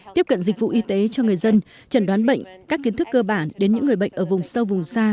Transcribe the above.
tiếp cận dịch vụ y tế cho người dân chẩn đoán bệnh các kiến thức cơ bản đến những người bệnh ở vùng sâu vùng xa